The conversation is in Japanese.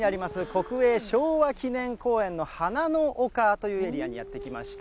国営昭和記念公園の花の丘というエリアにやって来ました。